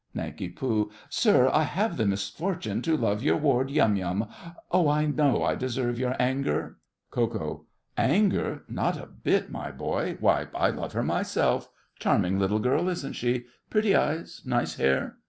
NANK. Sir, I have the misfortune to love your ward, Yum Yum—oh, I know I deserve your anger! KO. Anger! not a bit, my boy. Why, I love her myself. Charming little girl, isn't she? Pretty eyes, nice hair.